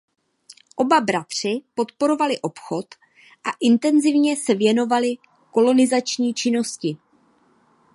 Oba bratři podporovali obchod a intenzivně se věnovali kolonizační činnosti.